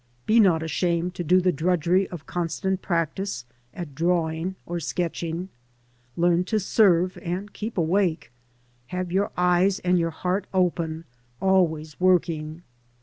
Be not ashamed to do the drudgery of constant practice at drawing or sketching. Learn to serve and keep awake. Have your eyes and your heart open, always working.